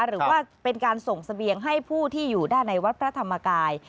หรือว่าเป็นการส่งเสบียงให้ผู้ที่อยู่ด้านในวัดพระธรรมกาย